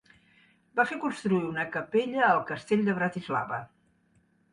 Va fer construir una capella al castell de Bratislava.